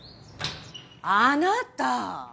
あなた！